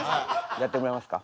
やってもらいますか。